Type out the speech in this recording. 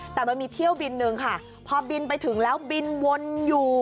แต่มันมีเที่ยวบินนึงค่ะพอบินไปถึงแล้วบินวนอยู่